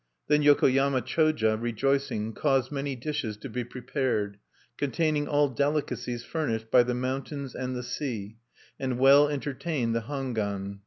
Then Yokoyama Choja, rejoicing, caused many dishes to be prepared, containing all delicacies furnished by the mountains and the sea(1), and well entertained the Hangwan.